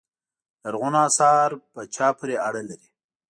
لرغونو اثار په چا پورې اړه لري.